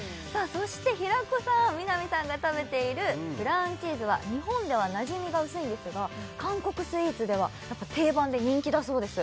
そして平子さん南さんが食べているブラウンチーズは日本ではなじみが薄いんですが韓国スイーツでは定番で人気だそうです